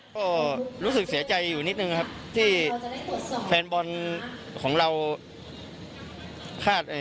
ก็รู้สึกเสียใจอยู่นิดนึงครับที่แฟนบอลของเราคาดเอ่อ